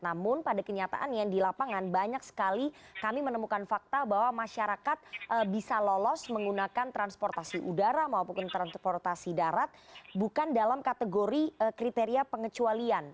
namun pada kenyataan yang di lapangan banyak sekali kami menemukan fakta bahwa masyarakat bisa lolos menggunakan transportasi udara maupun transportasi darat bukan dalam kategori kriteria pengecualian